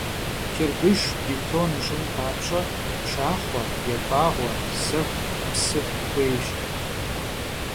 Çırbışş, bêton ş'ın papş'e pşşaxhue, yat'ağue, sexu, psı xuêyş.